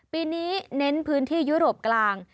ปีนี้เน้นพื้นที่ยุโรปกลาง